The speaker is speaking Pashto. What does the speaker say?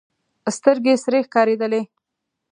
سترګې سرې ښکارېدلې.